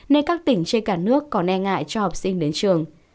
nên các tỉnh trên cả nước còn e ngại cho học sinh đến trường